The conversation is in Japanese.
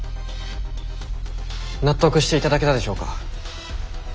納得していただけたでしょうか。